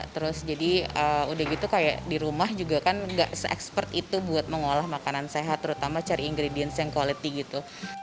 terus jadi udah gitu kayak di rumah juga kan gak se expert itu buat mengolah makanan sehat terutama cari ingredients yang quality gitu